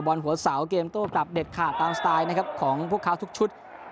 หัวเสาเกมโต้กลับเด็ดขาดตามสไตล์นะครับของพวกเขาทุกชุด